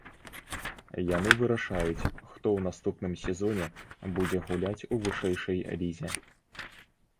Яны вырашаюць, хто ў наступным сезоне будзе гуляць у вышэйшай лізе.